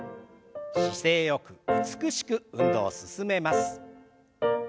姿勢よく美しく運動を進めます。